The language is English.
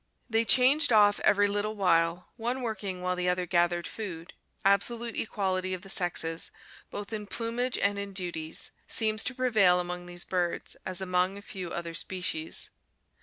They changed off every little while, one working while the other gathered food. Absolute equality of the sexes, both in plumage and in duties, seems to prevail among these birds, as among a few other species.